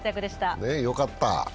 ね、よかった。